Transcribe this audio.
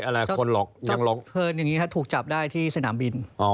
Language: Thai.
ทุกข์โฟนอย่างงี้ทหูกจับได้ที่สถานบิน